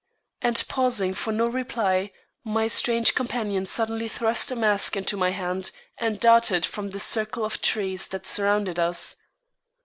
And pausing for no reply, my strange companion suddenly thrust a mask into my hand and darted from the circle of trees that surrounded us.